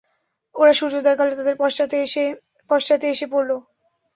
ওরা সূর্যোদয়কালে তাদের পশ্চাতে এসে পড়ল।